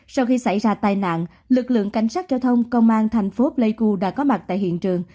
sau khi xảy ra tai nạn lực lượng cảnh sát giao thông công an thành phố pleiku đã có mặt tại hiện trường